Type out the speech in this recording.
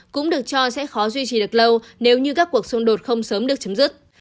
cũng được cho sẽ khó duy trì được lâu nếu như các cuộc xung đột không sớm được chấm dứt